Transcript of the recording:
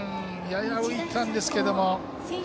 やや浮いたんですけれども。